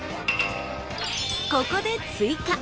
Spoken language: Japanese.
ここで追加。